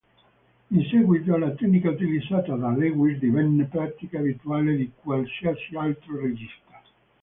In seguito, la tecnica utilizzata da Lewis divenne pratica abituale di qualsiasi altro regista.